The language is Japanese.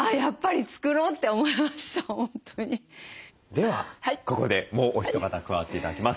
ではここでもうお一方加わって頂きます。